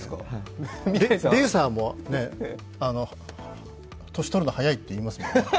レーサーも、年取るの早いっていいますよね。